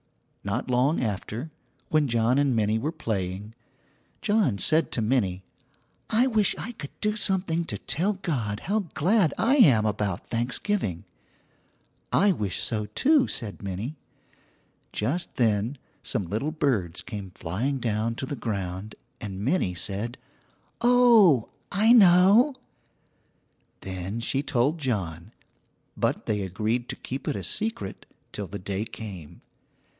Not long after, when John and Minnie were playing, John said to Minnie, "I wish I could do something to tell God how glad I am about Thanksgiving." "I wish so, too," said Minnie. Just then some little birds came flying down to the ground, and Minnie said: "Oh, I know." Then she told John, but they agreed to keep it a secret till the day came.